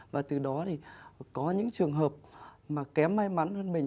và từ đó thì có những trường hợp mà kém may mắn hơn mình